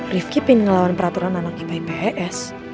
rifqip ini ngelawan peraturan anak ipa dan ips